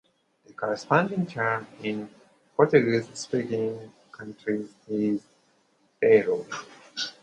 The corresponding term in Portuguese-speaking countries is bairro.